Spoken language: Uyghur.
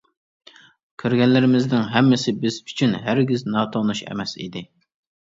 كۆرگەنلىرىمىزنىڭ ھەممىسى بىز ئۈچۈن ھەرگىز ناتونۇش ئەمەس ئىدى.